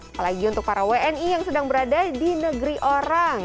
apalagi untuk para wni yang sedang berada di negeri orang